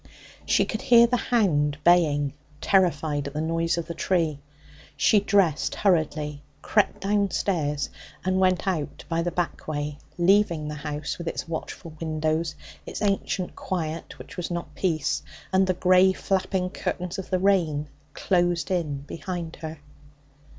She could hear the hound baying, terrified at the noise of the tree. She dressed hurriedly, crept downstairs and went out by the back way, leaving the house, with its watchful windows, its ancient quiet which was not peace, and the grey, flapping curtains of the rain closed in behind her.